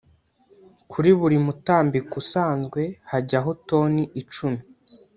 Kuri buri mutambiko usanzwe hajyaho Toni icumi